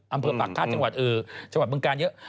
อามเภอปากฆาตเฉพาะบางการเยอะ